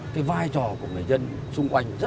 hai mẹ con tui ở trong này nhé